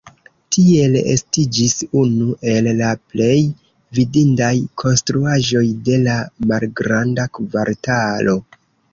Tiel estiĝis unu el la plej vidindaj konstruaĵoj de la Malgranda Kvartalo.